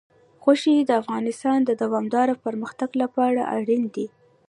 غوښې د افغانستان د دوامداره پرمختګ لپاره اړین دي.